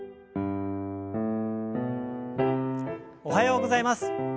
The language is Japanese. おはようございます。